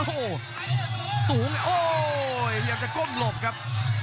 โอ้โหสูงโอ้โหยังจะก้มหลบครับ